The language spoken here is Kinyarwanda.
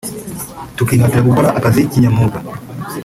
tukihatira gukora akazi kinyamwuga